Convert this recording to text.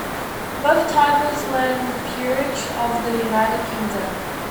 Both titles were in the Peerage of the United Kingdom.